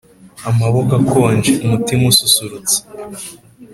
amaboko akonje, umutima ususurutse